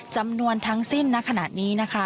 จำนวนทั้งสิ้นณขณะนี้นะคะ